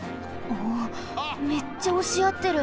おおめっちゃおしあってる。